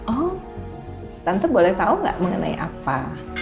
oh tante boleh tau gak mengenai apa